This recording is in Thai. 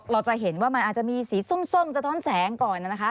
เราจะเห็นว่ามันอาจจะมีสีส้มสะท้อนแสงก่อนนะคะ